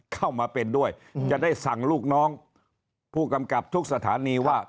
เข้ามาเป็นด้วยจะได้สั่งลูกน้องผู้กำกับทุกสถานีว่า